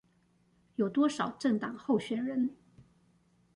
有多少政黨候選人